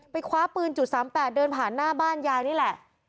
คว้าปืน๓๘เดินผ่านหน้าบ้านยายนี่แหละ